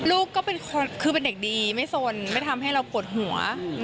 ลูกก็คือเป็นเด็กดีไม่สนไม่ทำให้เราปวดหัว